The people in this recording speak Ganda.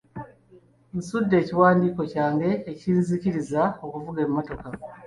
Nsudde ekiwandiiko kyange ekinzikiriza okuvuga emmotoka.